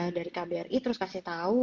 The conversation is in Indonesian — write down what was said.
dari kbri terus kasih tahu